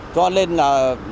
cho nên là